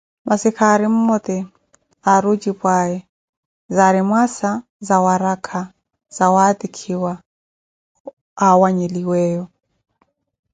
Masi khaari mmote aari ocipwaawe, zaari mwaasa zawarakha zawatikhiwa awanyeliweelo.